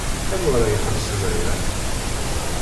Anwa ara ixellṣen aya?